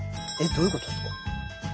どういうことっすか？